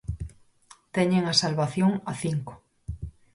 Teñen a salvación a cinco.